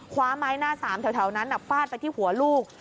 คว้าไม้หน้าสามแถวนั้นฟาดไปที่หัวลูก